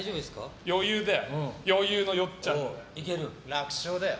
楽勝だよ。